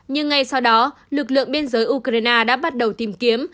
nhưng ngay sau đó lực lượng biên giới ukraine đã bắt đầu tìm kiếm